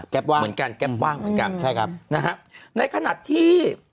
แก๊บว่างเหมือนกันแก๊บว่างเหมือนกันนะฮะในขณะที่